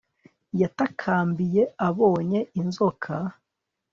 Yatakambiye abonye inzoka